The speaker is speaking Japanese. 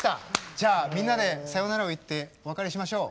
じゃあみんなでさようならを言ってお別れしましょう！